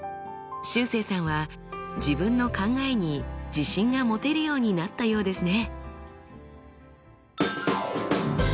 しゅうせいさんは自分の考えに自信が持てるようになったようですね。